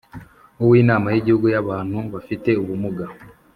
Uw inama y igihugu y abantu bafite ubumuga